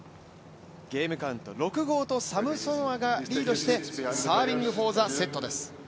ゲームカウント６−５とサムソノワがリードしましてサービングフォーザセットです。